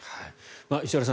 石原さん